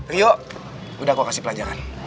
rio udah aku kasih pelajaran